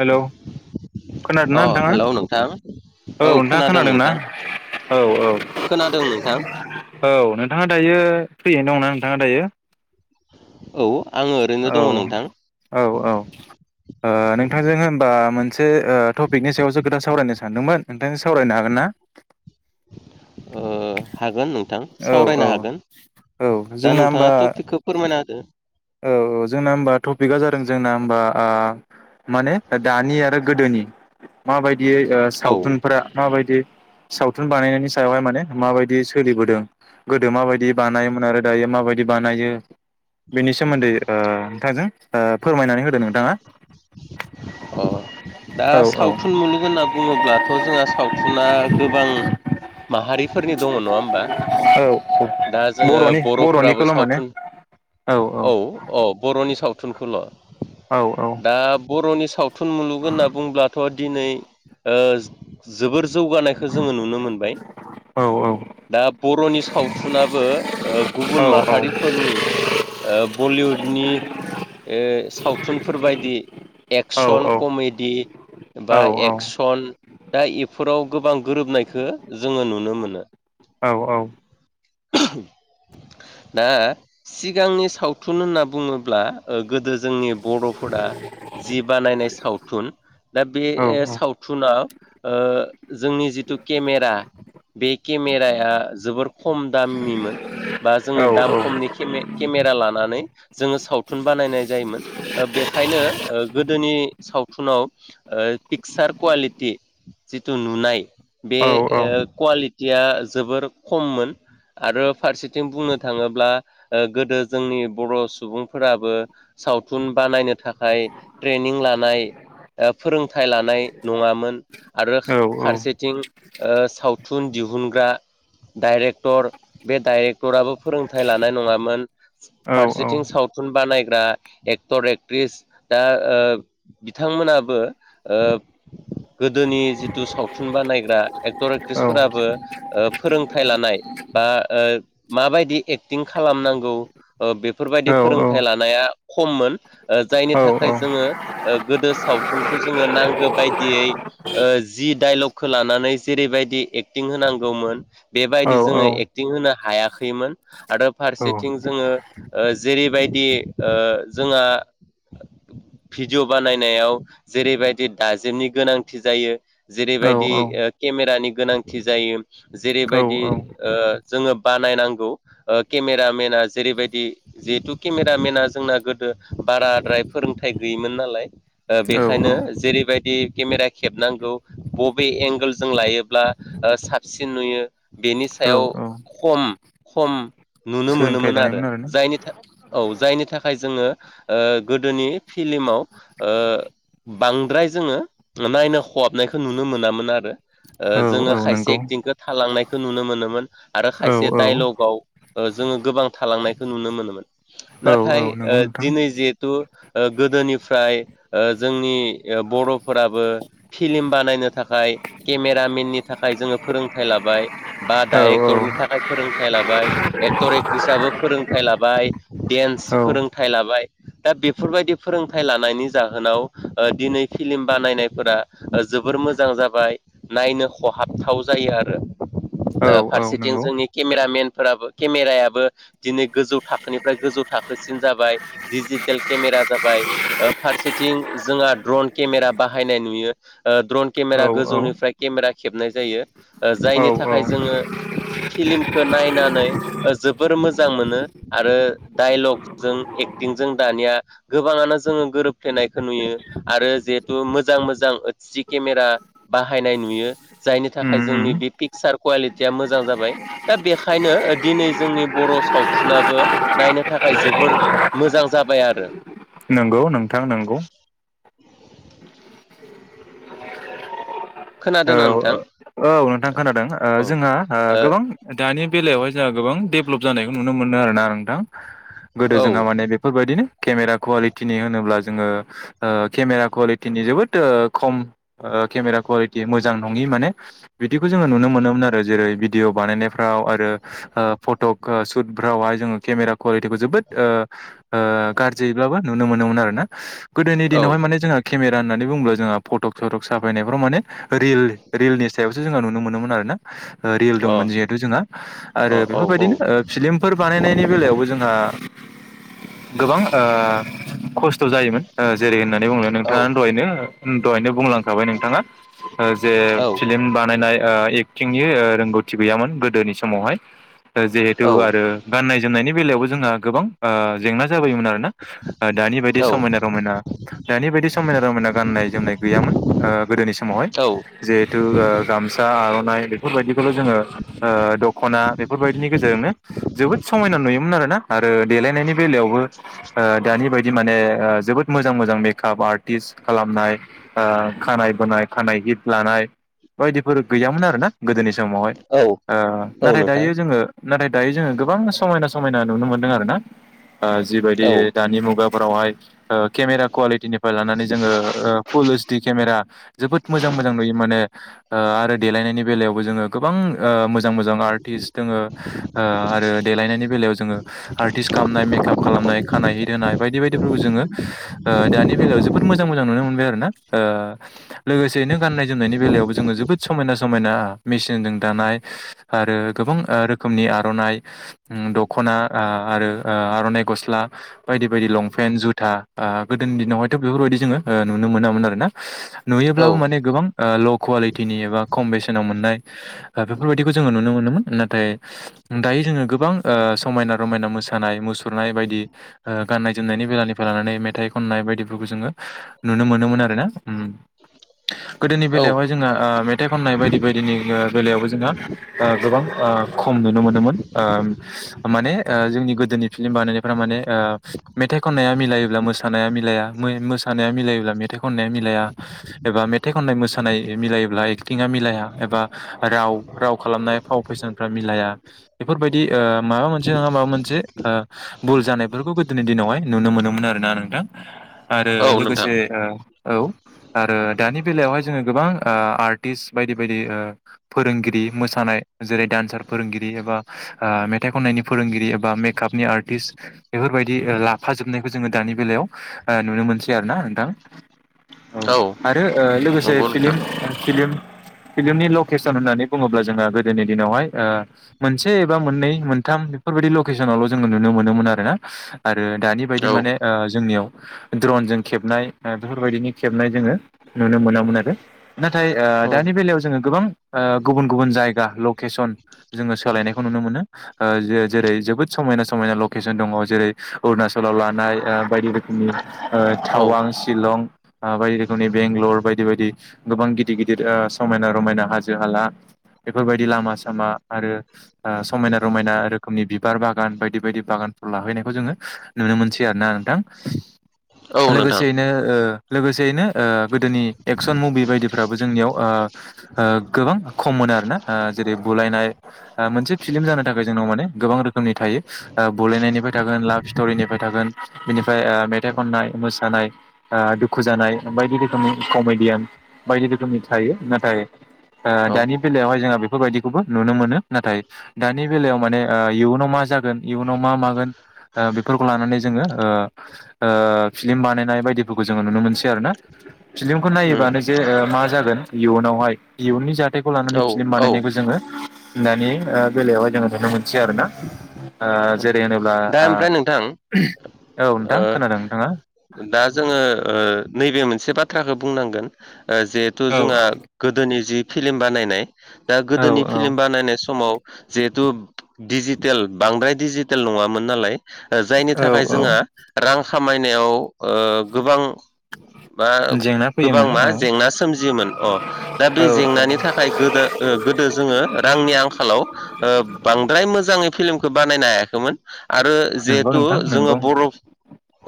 Hello. अ खोनादोंना नोंथाङा हेलौ नोंथां औ औ नोंथाङा खोनादों ना। औ औ खोनादों नोंथां औ नोंथाङा दायो। फ्रियैनो दंना नोंथाङा दायो। औ। आङो ओरैनो औ दङ नोंथां औ औ ओ नोंथांजों होनबा मोन से ओ टपिकनि सायावसो खोथा सावरायनो सानदोंमोन नोंथांजों सावरायनो हागोन ना। ओ हागोन नोंथां औ औ सावरायनो हागोन औ दा जोंना होमबा नोंथाङा टपिकखौ फोरमायना होदो। औ औ जोंना होमबा टपिका जादों जोंना होमबा माने दानि आरो गोदोनि माबायदि ओ औ सावथुनफोरा माबायदि सावथुन बानायनायनि सायावहाय माने माबाय दि सोलिबोदों गोदो माबायदि बानायोमोन आरो दायो माबायदि बानायो। बेनि सोमोन्दै ओ नोंथांजों ओ फोरमायनानै होदो नोंथाङा। अ [inaudible] दा औ औ सावथुन मुलुग होनना बुङोब्लाथ जोंहा सावथुना गोबां माहारिफोरनि दङ नङा होमबा औ औ दा जोङो बर'नि बरफोराबो बर'निखौल' माने सावथुन औ औ बरनि सावथुनखौल औ औ दा बरनि सावथुन मुलुग होनना बुंब्लाथ दिनै जोबोर जौगानायखो जोङो नुनो मोनबाय औ दा बरनि सावथुनाबो ओ औ गुबुन औ माहारिफोरनि ओ बलिउडनि ओ सावथुनफोरबायदि औ एक्सन कमेडि बा एक्सन दा इफोराव गोबां गोरोबनायखौ जोङो नुनो मोनो औ औ [inaudible] दा सिगांनि सावथुन होनना बुङोब्ला ओ गोदो जोंनि बरफोरा जि बानायनाय सावथुन दा बे सावथुाव ओ जोंनि जिथु केमेरा बे केमेराया जोबोर खम दामनिमोन बा जोङो दाम खमनि खेमे केमेरा लानानै जोङो सावथुन बानायनाय जायोमोन ओ बेखायनो गोदोनि सावथुनाव ओ पिकसार कुवालिटि जिथु नुनाय बे ओ कुवालिटिया जोबोर खममोन आरो फारसेथिं बुंनो थाङोब्ला ओ गोदो जोंनि बर सुबुंफोराबो सावथुन बानायनो थाखाय ट्रेनिं लानाय ओ फोरोंथाइ लानाय नङामोन आरो फारसेथिं ओ सावथुन थुन दिहुनग्रा डाइरेक्टर बे डाइरेक्ट डक्टराबो फोरोंथाइ लानाय नङामोन औ फारसेथिं औ सावथुन बानाय दा एक्टर एक्ट्रिस दा बिथांमोनाबो ओ गोदोनि जिथु सावथुन बानायग्रा एक्टर औ एक्ट्रिसफोराबो ओ फोरोंथाइ लानाय बा ओ माबायदि एक्टिं खालामनांगौ ओ बेफोरबायदि फोरोंथाइ लानाया खममोन ओ जायनि थाखाय जोङो गोदो सावथुनखौ जोङो नांगो बायदियै ओ जि डाइलगखो लानानै जेरैबायदि एक्टिं होनांगौमोन बेबायदि जोङो एक्टिं होनो हायाखैमोन आरो फारसेथिं जोङो ओ जेरैबायदि ओ जोंहा भिडिय बानायनायाव जेरैबायदि दाजेमनि गोनांथि जायो जेरैबायदि केमेरानि गोनांथि जायो जेरैबायदि जोङो बानायनांगौ केमेरामेना जेरैबायदि जिहेथु केमेरामेना जोंना गोदो बाराद्राय फोरोंथाइ गैयिमोन नालाय बेखायनो जेरैबायदि केमेरा खेबनांगौ बबे एंगोलजों लायोब्ला साबसिन नुयो बेनि सायाव खम खम नुनो सोलोंथाइ मोनोमोन आरो लानायमोन आरोना जायनि औ जायनि थाखाय जोङो गोदोनि फिल्माव बांद्राय जोङो नायनो खहाबनायखौ नुनो मोनामोन आरो औ औ जोङो खायसे नंगौ एक्टिंखौ थालांनायखौ नुनो मोनोमोन आरो औ खायसे औ दाइलगाव जों जोङो गोबां थालांनायखौ नुनो मोनोमोन औ औ नाथाय नंगौ नोंथां दिनै जे थु गोदोनिफ्राय जोंनि बर'फोराबो फिल्म बानायनो थाखाय केमेरामेननि थाखाय जोङो फोरोंथाइ लाबाय बा औ डाइरेक्टरनि औ थाखाय फोरोंथाइ लाबाय एक्टर एक्ट्रिसाबो फोरों फोरोंथाइ लाबाय डेन्स औ फोरोंथाइ लाबाय दा बेफोरबायदि फोरोंथाइ लानायनि जाहोनाव दिनै फिल्म बानायनायफोरा जों जोबोर मोजां जाबाय नायनो खहाबथाव जायो आरो औ औ फारसेथिं नंगौ जोंनि केमेरामेनफोराबो केमेरायाबो दिनै गोजौ थाखोनिफ्राय गोजौ थाखोसिन जाबाय दिडिजिटेल केमेरा जाबाय फारसेथिं जोंहा द्रन केमेरा बाहायनाय नुयो ड्रन औ केमेरा औ गोजौनिफ्राय केमेरा खेबनाय जायो औ जायनि औ थाखाय जोङो फिल्मखौ नायनानै जोबोर मोजां मोनो आरो डाइलगजों ए दानिया गोबाङानो जोङो गोरोबफ्लेनायखौ नुयो आरो जिहेथु मोजां मोजां सि केमेरा बाहायनाय नुयो जायनि थाखाय उम उम जोंनि बे पिक्सार कुवालिटि थिया मोजां जाबाय दा बेखायनो दिनै जोंनि बर' सावथुनाबो नायनो थाखाय जोबोर मोजां जाबाय आरो नंगौ नोंथां नंगौ औ खोनादोंना नोंथां औ नोंथां खोनादों औ जोंहा गोबां दानि बेलायावहाय जोंहा गोबां डेभलप जानायखौ नु मोनदों आरोना नोंथां गोदो ओ जोंहा माने बेफोरबायदिनो केमेरा कुवालिटिनि होनोब्ला जोङो केमेरा कुवालिटिनि जोबोद खम केमेरा कुवालिटि मोजां नङि माने बिदिखौ जोङो नुनो मोनोमोन आरो जेरै भिदिअ बानायनायफ्राव आरो फट' सुटफ्रावहाय जोङो केमेरा कुवालिटिखौ जोबोद गाज्रियैब्लाबो नुनो मोनोमोन आरोना गोदोनि औ दिनावहाय माने जोंहा केमेरा होननानै बुंब्ला जोंहा फटक सटक साफायनायफ्राव माने रिल रिलनि सायावसो जोङो नुनो मोनोमोन आरोना रियेल औ दंमोन जिहेथु जोंहा आरो अ अ औ बेफोरबायदिनो फिलिमफोर बानायनायनि बेलायावबो जोंहा आ गोबां आ खस्थ' जायोमोन जेरै होननानै बुंयोमोन औ नोंथाङा दहायनो दहायनो बुंलांखाबाय नोंथाङा जे औ फिल्म बानायनाय थिंनि रोंगौथि गैयामोन गोदोनि समावहाय जिहेथु आरो गाननाय जोमनायनि बेलायावबो जोंहा गोबां जेंना जाबायमोन आरोना दानि बायदि औ समायना रमायना दानि बायदि समायना रमायना गाननाय जोमनाय गैयामोन गोदोनि समावहाय औ जहेथु गामसा आर राय बेफोरबायदिखौल' जोङो दख'ना बेफोरबायदिनि गेजेरजोंनो जोबोद समायना नुयोमोन आरो आरोना आरो देलायनायनि बेलायावबो दानि बायदि माने जोबोद मोजां मोजां मेकआप आर्टिस्ट खालामनाय खानाय बोनाय खानाय हित लानाय बायदिफोर गैयामोन आरो ना गोदोनि समावहाय औ आं औ नाथाय नोंथां दायो जोङो नाथाय दायो जोङो गोबां समायना समाय समायना नुनो मोनदों आरो ना जिबायदि औ दानि मुगाफोरावहाय केमेरा कुवालिटिनिफ्राय लानानै जोङो फुल ओइस डि केमेरा जोबोद मोजां मोजां नुयो माने आरो देलायनायनि बेलायावबो जोङो गोबां मोजां मोजां आर्टिस्ट दङो आरो देलायनायनि बेलायाव जोङो आर्टिस्ट कामनाय मेकआप खालामनाय खानाय हित होनाय बायदि बायदिफोरखौ जोङो ओह दानि बेलायाव जोबोद मोजां मोजां नुनोमो [unintelligible] आरोना ओह। लोगोसेयैनो गाननाय जोमनायनि बेलायावबो जोङो जोबोद समायना समायना मेसिनजों दानाय। आरो गोबां ओह रोखोमनि आरनाइ उम दखना आ आरो आरनाइ। गसला बायदि बायदि लंफेन जुथा ओह गोदोनि दिनावहायथ बेफोरबायदि जोङो ओह नुनो मोनामोन आरोना। नुयोब्लाबो औ माने गोबां ओह ल खवालिथिनि एबा खम बेसेनाव मोननाय। दा बेफोरबायदिखौ जोङो नुनो मोनोमोन नाथाय दायोजोङो गोबां ओह। समायना रमायना मोसानाय मुसुरनाय बायदि ओह गाननाय जोमनायनि बेलानिफाय लानानै मेथाइ। खननाय बायदिफोरखौ जोङो नुनो मोनोमोन आरोना। गोदोनि औ बेलायावहाय जोंहा ओह मेथाइ खननाय बायदि बायदिनि ओह बेलायावबो जोंहा ओह। गोबां ओह खम नुनोमोनोमोन ओह माने। ओह जोंनि गोदोनि फिल्म बानायनायफोरा माने ओह मेथाइ खननाया मिलायोब्ला मोसानाया मिलाया मै मोस हानाया मिलायोब्ला मेथाइ खननाया मिलाया। एबा मेथाइ खननाय मोसानाय मिलायोब्ला एक्टिंङा मिलाया एबा राव राव खालामनाय। फाव फेसनफ्रा मिलाया बेफोरबायदि ओह माबामोनसे ना माबामोनसे ओह बुल जानायफोरखौ। बेफोरखौ गोदोनि दिनावहाय नुनो मोनोमोन आरोना नोंथां आरो औ नोंथां लोगोसे ओह औ। आरो दानि बेलायावहाय जोङो गोबां ओह आर्टिस्ट बायदि बायदि ओह फोरोंगिरि मोसानाय। जेरै डान्सार फोरोंगिरि एबा ओह मेथाइ खननायनि फोरोंगिरि एबा मेखापनि आर्टिस्ट बेफोर। बेबायदि ओह लाफ जोबनायखो जोङो दानि बेलयाव ओह नुनो मोनसै आरोना नोंथां। औ आरो ओह लोगोसे नंगौ नोंथां फिलिम फिलिम। फिल्मनि लकेसन होननानै बुङोब्ला जोङो गोदोनि दिनावहाय ओह मोनसे एबा मोननै मोनथाम बेफोर। बादि लखेसनआवल नुनो मोनोमोन आरोना आरो दानिबाइदि औ माने ओह जोंनियाव ड्रनजों। जोंखेबनाय ओह बेफोरबायदिनि। खेबनाय जोङो नुनो मोनामोनआरो नाथाय ओह औ दानि बेलायाव जोङो ओह गोबां गुबुन गुबुन। जायगा लखेसन जोङो सोलायनायखौ नुनोमोनो ओह जो जेरै जोबोद समायना समायना लखेसन। दङ जेरै अरुणाचलाव लानाय ओह बायदि रोखोमनि ओह औ थावां शिलं। ओह बायदि रोखोमनि बेंगलर बायदि बायदि गोबां गिदिर गिदिर ओह समायना रमायना हाजो हाला। बेफोरबादि लामा सामा आरो ओह समायना रमायना रोखोमनि बिबार बागान बायदि बायदि बागान। लाहैनायखौ जोङो नुनोमोनसै आरोना नोंथां औ नोंथां लोगोसेयैनो ओह। लोगोसेयैनो ओह गोदोनि एक्सन मुबि बायदिफोराबो जोंनियाव ओह ओह गोबां खम मोन। आरोना ओह जेरै बुलायनाय ओह मोनसे फिलिम जानो थाखाय जोंनाव माने गोबां रोखोमनि थायो ओह बु बुलायनाय निफाय थागोन लाफ सिथरिनिफाय थागोन बिनिफाय ओह मेथाइ खननाय मोसानाय ओह बिफ खुजानाय बायदि रोखोमनि खमेडियान बायदि रोखोमनि थायो नाथाय। ओह औ दानि बेलायावहाय जोंहा बेफोरबायदिखौबो नुनोमोनो नाथाय दानि बेलायाव माने ओह इयुनाव मा। माजागोन इयुनाव मा मागोन। ओह बेफोरखौ लानानै जोङो ओह ओह फिलिम बानायनाय बायदिफोरखौ जो जोङो नुनो मोनसै आरोना। फिलिमखो उम नायोबानोजे ओह माजागोन इयुनावहाय इयुननि जाथायखौ लानानै औ फिलिम औ बानायनायखौ जोङो। दानि ओह बेलायावहाय जोङो नुनोमोनसै आरोना ओह। दा ओमफ्राय नोंथां ओ औ नोंथां खोनादों नोंथाङा ओह दा जोङो। ओह नैबे मोनसे बाथ्राखो बुंनांगोन ओह जिहेथु औ जोंहा गोदोनि जि। फिलिम बानायनाय दा औ गोदोनि फिलिम बानायनाय समाव। जिहेथु डिजिटेल बांद्राय डिजिटेल नङामोन नालाय। ओह जायनि औ औ थाखायजोंहा रां खामायनायाव ओह गोबां। बा जेंना गोबां फैयोमोन औ माजेंना सोमजियोमोन अ दाबे औ औ जेंनानि थाखाय गोदो। दो गोदोजोङो रांनि आंखालाव ओह बांद्राय मोजाङै फिलिमखो बानायनो हायाखैमोन। आरो नंगौ जिहेथु नोंथां जोङो नंगौ बरफ।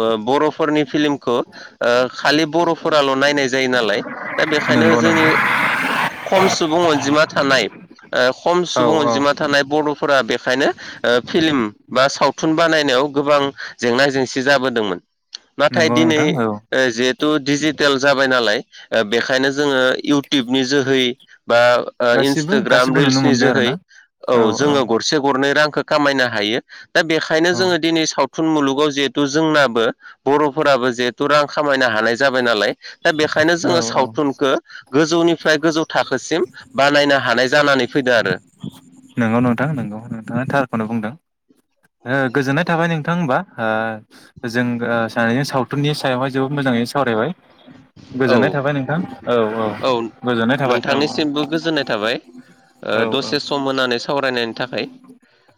ओह बरफोरनि फिलिमखो ओह खालि बरफोराल नायनायजायो नालाय दा बेखाय ओंखायनो नंगौ नंगौ जोंनि खम सुबुं अनजिमा थानाय ओ खम सुबुं औ औ अनजिमा थानाय बर' फोरा बेखायनो ओ फिल्म बा सावथुन बानायनायाव गोबां जेंना जेंसि जाबोदोंमोन। नाथाय नंगौ दिनै नोंथां औ ओ जिहेथु दिजि तेल जाबाय नालाय ओ बेखायनो जोङो इउटुबनि जोहै बा ओ गासिबो इन्स्टाग्राम गासिबो नुनो रिल्सनि मोनबाय आरो जोहै ना औ जोङो गरसे गरनै रां खो खामायनो हायो दा बेखायनो जोङो औ दिनै साव थुन मुलुगाव जिहेथु जोंनाबो बर'फोराबो जिहेथु रां खामायनो हानाय जाबाय नालाय दा बेखायनो औ जोङो औ सावथुनखो गोजौनि निफ्राय गोजौ थाखोसिम बानायनो हानाय जानानै फैदो आरो‌। नोंगौ नोंथां नोंगौ नोंथाङा थारखौनो बुंदों। ओ गोजोननाय थाबाय नोंथां होमबा ओ जों ओ सानैजों सावथुननि सायावहाय जोबोद मोजां जाङै सावरायबाय। औ गोजोननाय थाबाय नोंथां। औ औ गोजोननाय थाबाय औ नोंथांनिसिमबो गोजोननाय थाबाय औ। ओ औ दसे सम होनानै सावरायनायनि थाखाय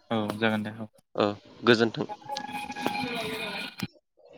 औ जागोन दे औ ओ गोजोन्थों। [inaudible]